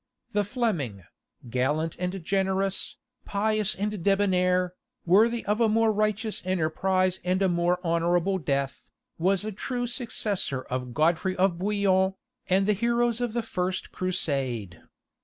The Fleming, gallant and generous, pious and debonnair, worthy of a more righteous enterprise and a more honourable death, was a true successor of Godfrey of Bouillon, and the heroes of the First Crusade.